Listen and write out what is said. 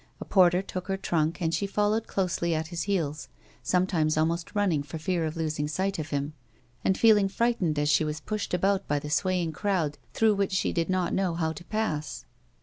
A porter took her trunk, and she f(jllowed closely at his heels, sometimes almost running for fear of losing sight of him, and feeling frightened as she was puslied about by the swaying crowd through which she did not know how to pass.